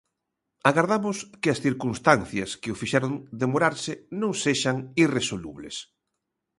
Agardamos que as circunstancias que o fixeron demorarse non sexan irresolubles.